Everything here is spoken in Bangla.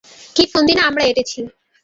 কী ফন্দি না আমরা এটেছি!